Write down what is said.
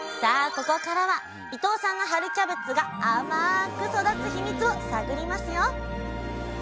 ここからは伊藤さんの春キャベツが甘く育つヒミツを探りますよ！